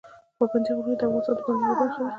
پابندی غرونه د افغانستان د بڼوالۍ برخه ده.